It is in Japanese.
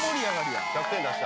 １００点出した。